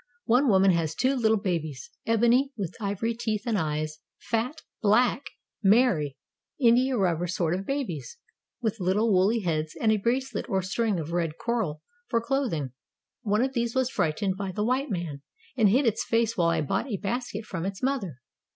One woman has two little babies — ebony — with ivory teeth and eyes, fat, black, merr}', India rubber sort of babies, with Httle woolly heads, and a bracelet or string of red coral for clothing. One of these was frightened by the white man, and hid its face while I bought a basket from its mother.